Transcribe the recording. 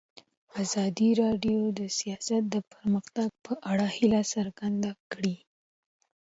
ازادي راډیو د سیاست د پرمختګ په اړه هیله څرګنده کړې.